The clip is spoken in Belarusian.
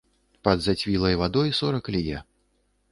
Пад зацвілай вадой сорак лье.